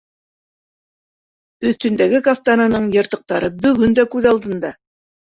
Өҫтөндәге кафтанының йыртыҡтары бөгөн дә күҙ алдында.